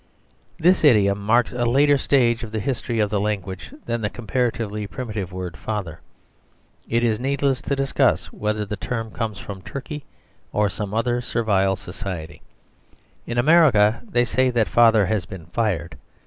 _ This idiom marks a later stage of the history of the language than the comparatively primitive word "Father." It is needless to discuss whether the term comes from Turkey or some other servile society. In America they say that Father has been fired.